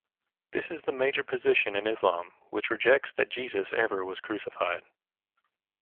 This is the major position in Islam, which rejects that Jesus ever was crucified.